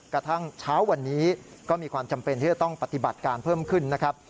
กระทั่งเช้าวันนี้ก็มีความจำเป็นที่จะต้องปฏิบัติการเพิ่มขึ้นนะครับ